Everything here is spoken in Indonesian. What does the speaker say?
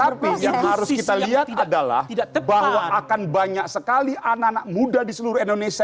tapi yang harus kita lihat adalah bahwa akan banyak sekali anak anak muda di seluruh indonesia